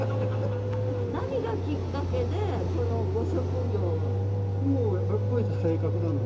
何がきっかけでこのご職業。